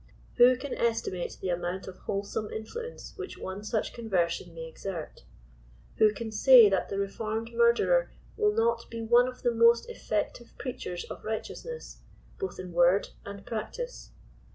Who can estimate the amount of wholesome influence which one such conversion may exert ? Who can say that the reform ed murderer will not be one of the most effective preachers of righteousness, both in word and practice